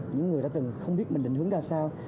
những người đã từng không biết mình định hướng ra sao